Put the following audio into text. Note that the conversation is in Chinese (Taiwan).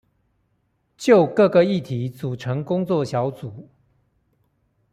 就各個議題組成工作小組